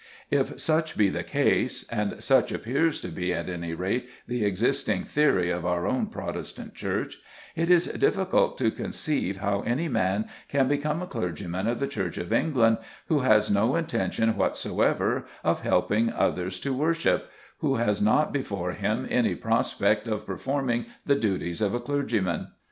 If such be the case, and such appears to be at any rate the existing theory of our own Protestant Church, it is difficult to conceive how any man can become a clergyman of the Church of England who has no intention whatsoever of helping others to worship, who has not before him any prospect of performing the duties of a clergyman.